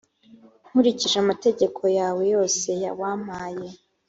nkurikije amategeko yawe yose wampaye,